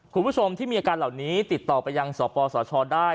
คุณผู้ชมที่มีอาการเหล่านี้ติดต่อไปยังสปสชได้